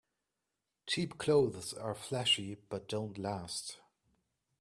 Cheap clothes are flashy but don't last.